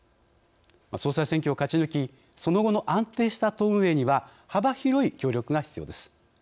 総裁選挙を勝ち抜きその後の安定した党運営には幅広い協力が必要です。